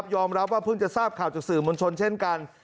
ว่าเพิ่งจะทราบข่าวจากสื่อมวลชนเช่นกัน